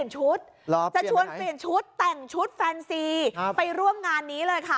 จะชวนเปลี่ยนชุดแต่งชุดแฟนซีไปร่วมงานนี้เลยค่ะ